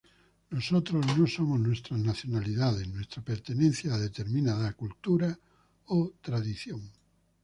Nosotros no somos nuestras nacionalidades, nuestra pertenencia a determinada cultura o tradición.